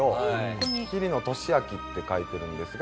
「桐野利秋」って書いてるんですが。